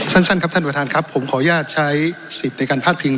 สั้นครับท่านประธานครับผมขออนุญาตใช้สิทธิ์ในการพาดพิง